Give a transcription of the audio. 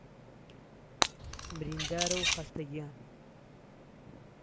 برینداره و خهسته گیان